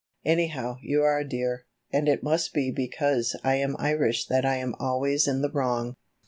Anyhow you are a dear, and it must be because I am Irish that I am always in the wrong."